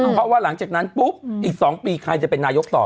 เพราะว่าหลังจากนั้นปุ๊บอีก๒ปีใครจะเป็นนายกต่อ